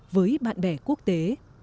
với bạn bè quốc tế